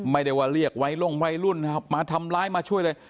ไม่ได้ว่าเรียกวัยลงวัยรุ่นมาทำร้ายมาช่วยเลย